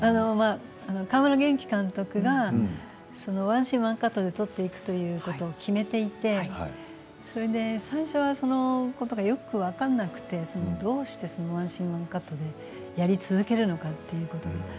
川村元気監督がワンシーン、ワンカットで撮っていくということを決めていてそれで最初はそのことがよく分からなくてどうしてワンシーンワンカットでやり続けるのかということが。